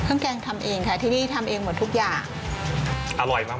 เครื่องแกงทำเองค่ะที่นี่ทำเองหมดทุกอย่าง